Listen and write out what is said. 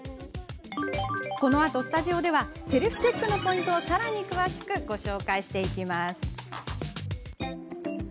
このあと、スタジオではセルフチェックのポイントをさらに詳しくご紹介します。